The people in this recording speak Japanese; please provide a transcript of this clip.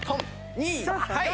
２はい。